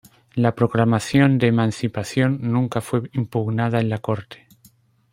La Proclamación de Emancipación nunca fue impugnada en la corte.